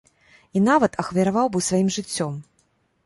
І нават ахвяраваў бы сваім жыццём.